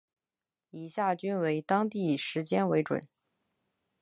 以下均为当地时间为准。